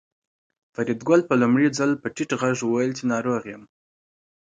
فریدګل په لومړي ځل په ټیټ غږ وویل چې ناروغ یم